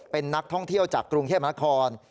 เป็นนักท่องเที่ยวจากกรุงเทพมนาคม